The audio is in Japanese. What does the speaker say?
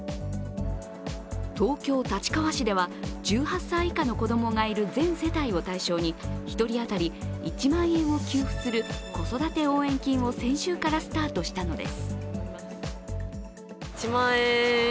東京・立川市では１８歳以下の子どもがいる全世帯を対象に１人当たり１万円を給付する子育て応援金を先週からスタートしたのです。